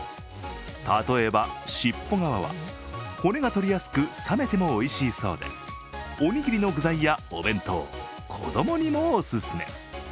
例えば尻尾側は、骨がとりやすく冷めてもおいしいそうでおにぎりの具材やお弁当、子供にもお勧め。